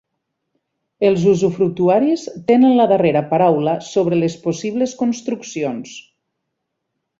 Els usufructuaris tenen la darrera paraula sobre les possibles construccions.